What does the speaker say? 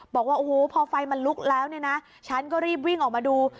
บอกว่าโอ้โหพอไฟมันลุกแล้วเนี่ยนะฉันก็รีบวิ่งออกมาดู